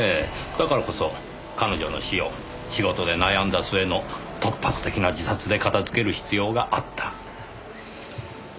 だからこそ彼女の死を仕事で悩んだ末の「突発的な自殺」で片づける必要があった。